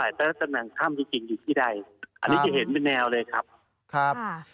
แต่แต่ถ้าผน่างธ่ำจริงที่ที่ใดอันนี้จะเห็นเป็นแนวเลยครับ